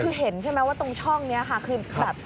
คือเห็นใช่ไหมว่าตรงช่องนี้ค่ะคือแบบ